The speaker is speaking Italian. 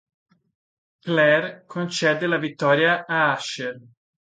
Claire concede la vittoria a Usher.